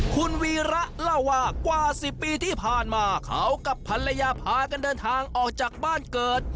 คุณวีระเล่าว่ากว่า๑๐ปีที่ผ่านมาเขากับภรรยาพากันเดินทางออกจากบ้านเกิด